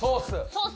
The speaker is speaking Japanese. ソース。